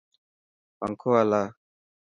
پنکو هلا.